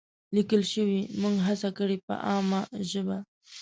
لیکل شوې، موږ هڅه کړې په عامه ژبه